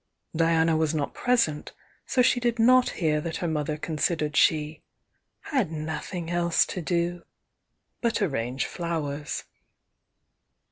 Diana was not present, so she did not hear that her mother considered she "had nothing else to do" but arrange flowers.